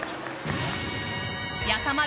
やさまる